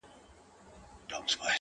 چي يې سم نيمی له ياده يم ايستلی’